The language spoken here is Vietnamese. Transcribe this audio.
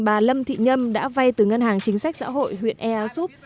bà lâm thị nhâm đã vay từ ngân hàng chính sách xã hội huyện air soup